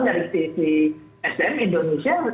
dari sisi sdm indonesia